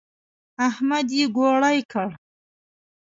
احمد يې ګوړۍ کړ.